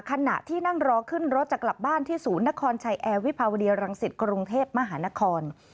ขณะที่นั่งรอขึ้นรถจะกลับบ้านที่ศูนย์นครชัยแอร์วิภาวดีรังสิตกรุงเทพมหานคร